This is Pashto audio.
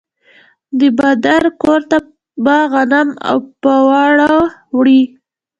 د بادار کور ته به غنم او پروړه وړي.